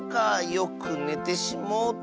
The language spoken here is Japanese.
よくねてしもうた。